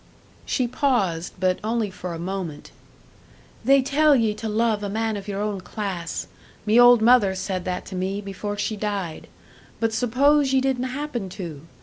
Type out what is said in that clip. She paused, but only for a moment. "They tell ye to love a man of your own class. Me old mother said that to me, before she died. But suppose ye didn't happen to?